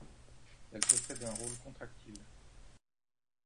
Elles possèdent un rôle contractile.